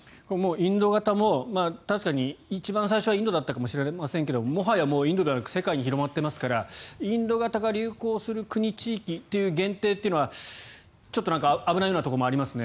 インド型も確かに一番最初はインドだったかもしれませんがもはやインドではなく世界に広まっていますからインド型が流行する国・地域という限定はちょっと危ないところもありますね。